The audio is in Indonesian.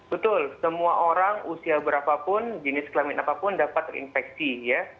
betul semua orang usia berapapun jenis kelamin apapun dapat terinfeksi ya